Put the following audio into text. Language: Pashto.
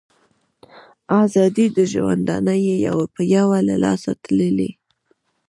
آزادۍ د ژوندانه یې یو په یو له لاسه تللي